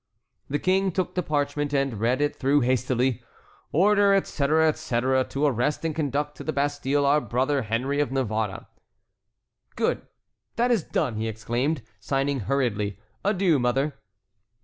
The king took the parchment and read it through hastily. "Order, etc., etc., to arrest and conduct to the Bastille our brother Henry of Navarre." "Good, that is done!" he exclaimed, signing hurriedly. "Adieu, mother."